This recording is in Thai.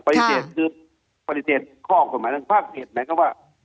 ปฏิเสธคือปฏิเสธข้อออกมาจากภาคเศษนั้นก็ว่า